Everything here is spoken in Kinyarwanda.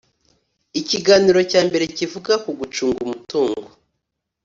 ikiganiro cyambere cyivuga kugucunga umutungo,